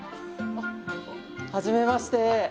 あはじめまして。